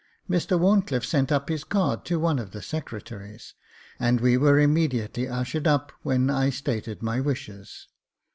Mr Wharncliffe sent up his card to one of the secretaries, and we were im mediately ushered up, when I stated my wishes.